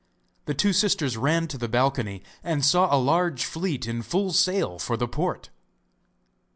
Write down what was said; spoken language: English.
The two sisters ran to the balcony, and saw a large fleet in full sail for the port.